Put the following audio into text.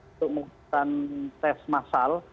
untuk menggunakan tes masal